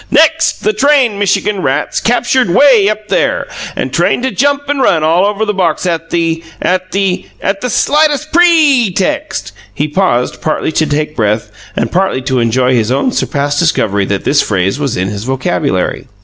NEXT, the trained Michigan rats, captured way up there, and trained to jump and run all around the box at the at the at the slightest PRE text!" He paused, partly to take breath and partly to enjoy his own surprised discovery that this phrase was in his vocabulary.